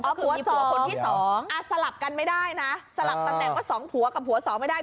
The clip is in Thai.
อ๋อผัวสองสลับกันไม่ได้นะสลับตั้งแต่ว่าสองผัวกับผัวสองไม่ได้